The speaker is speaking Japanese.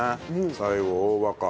最後大葉か。